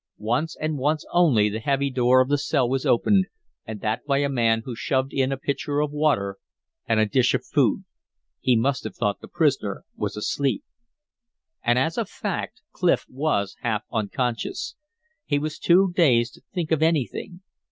Once and once only the heavy door of the cell was opened and that by a man who shoved in a pitcher of water and a dish of food. He must have thought the prisoner asleep. And as a fact, Clif was half unconscious; he was too dazed to think of anything.